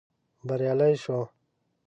بريالي شوو.